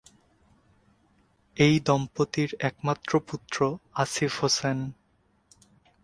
এই দম্পতির একমাত্র পুত্র আসিফ হোসেন।